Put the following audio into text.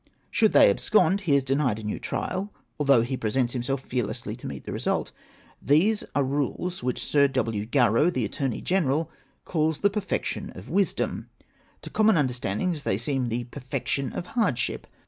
Should they abscond he is denied a new trial, although he presents himself fearlessly to meet its result. These are rules which Sir W. Garrow, the Attorney Greneral, calls the perfection of wisdom ; to common understandings they seem the perfection of hard ship.